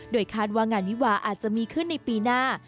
โดยคาดว่างานวิวาอาจจะมีขึ้นในปีหน้า